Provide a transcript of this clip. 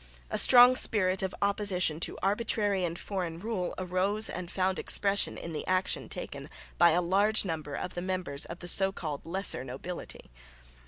A strong spirit of opposition to arbitrary and foreign rule arose and found expression in the action taken by a large number of the members of the so called "lesser nobility."